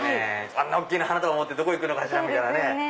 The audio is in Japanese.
あんな大きな花束持ってどこ行くのかしら？みたいな。